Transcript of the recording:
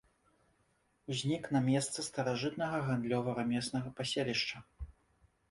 Узнік на месцы старажытнага гандлёва-рамеснага паселішча.